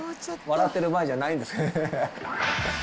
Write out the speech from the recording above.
笑ってる場合じゃないんですけどね。